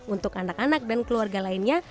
untuk anak anak dan keluarga lainnya